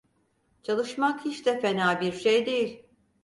Çalışmak hiç de fena bir şey değil.